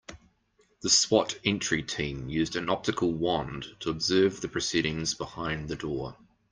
The S.W.A.T. entry team used an optical wand to observe the proceedings behind the door.